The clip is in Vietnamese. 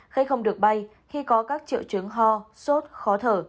khi không được bay khi có các triệu chứng ho sốt khó thở